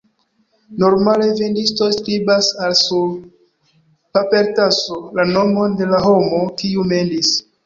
Normale vendistoj skribas al sur papertaso la nomon de la homo, kiu mendis.